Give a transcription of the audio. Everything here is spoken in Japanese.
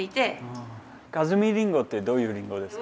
加積りんごってどういうりんごですか？